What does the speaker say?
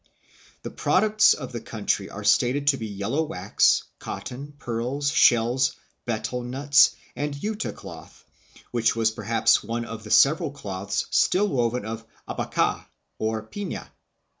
The products of the country are stated to be yellow wax, cotton, pearls, shells, betel nuts, and yuta cloth, which was perhaps one of the several cloths still woven of abaca, or pifia.